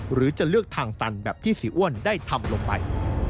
หรือจะเลือกทางตันแบบที่เสียอ้วนได้ทำลงไป